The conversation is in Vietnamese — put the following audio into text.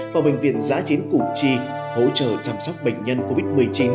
vào bệnh viện giá chiến củ chi hỗ trợ chăm sóc bệnh nhân covid một mươi chín